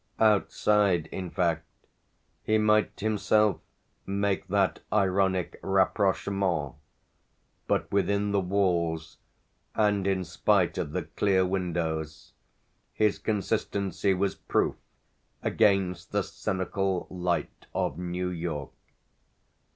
Outside in fact he might himself make that ironic rapprochement; but within the walls, and in spite of the clear windows, his consistency was proof against the cynical light of New York.